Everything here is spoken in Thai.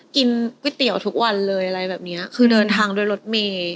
กินก๋วยเตี๋ยวทุกวันเลยอะไรแบบเนี้ยคือเดินทางด้วยรถเมย์